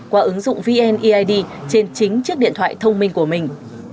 qua ứng dụng vneid trên chính chiếc điện thoại thông minh của mình